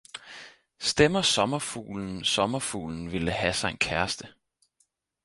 Stemmer sommerfuglensommerfuglen ville have sig en kæreste